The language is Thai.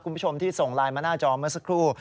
คุณผู้ชมที่ส่งไลน์มาหน้าจอเมื่อสักครู่